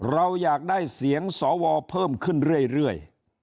เราอยากได้เสียงสวเพิ่มขึ้นเรื่อย